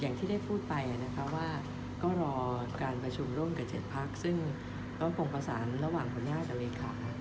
อย่างที่ได้พูดไปนะคะว่าก็รอการประชุมร่วมกับ๗พักซึ่งก็คงประสานระหว่างหัวหน้ากับเลขา